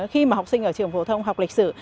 khi mà học sinh ở trường phổ thông học lịch sử